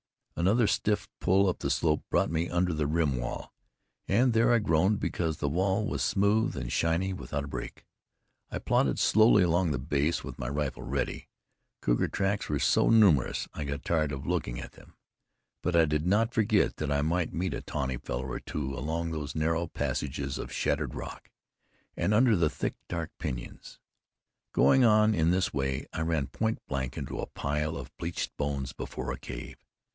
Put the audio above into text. Another stiff pull up the slope brought me under the rim wall, and there I groaned, because the wall was smooth and shiny, without a break. I plodded slowly along the base, with my rifle ready. Cougar tracks were so numerous I got tired of looking at them, but I did not forget that I might meet a tawny fellow or two among those narrow passes of shattered rock, and under the thick, dark pinyons. Going on in this way, I ran point blank into a pile of bleached bones before a cave.